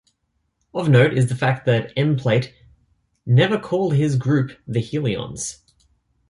Of note is the fact that Emplate never called his group the "Hellions".